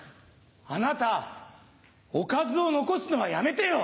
あなたおかずを残すのはやめてよ。